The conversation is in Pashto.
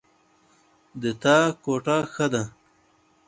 د تا کوټه ښه ده